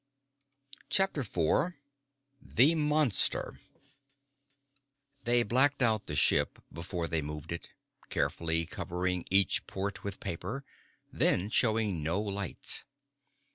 CHAPTER IV The Monster They blacked out the ship before they moved it, carefully covering each port with paper, then showing no lights.